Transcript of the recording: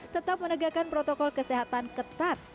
tetap menegakkan protokol kesehatan ketat